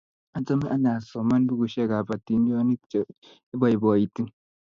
Achame ane asomani pukuisyek ap atindyonik che ipoipoiti